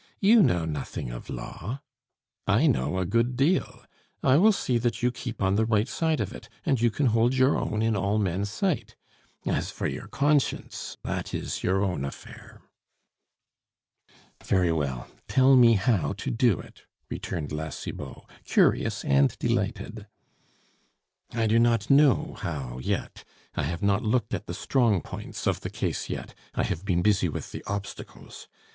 You know nothing of law; I know a good deal. I will see that you keep on the right side of it, and you can hold your own in all men's sight. As for your conscience, that is your own affair." "Very well, tell me how to do it," returned La Cibot, curious and delighted. "I do not know how yet. I have not looked at the strong points of the case yet; I have been busy with the obstacles.